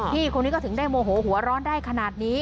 พี่คนนี้ก็ถึงได้โมโหหัวร้อนได้ขนาดนี้